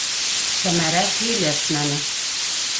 Сәмәрә һөйләшмәне.